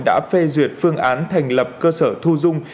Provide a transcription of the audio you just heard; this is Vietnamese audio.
đã phê duyệt phương án thành lập cơ sở thu dung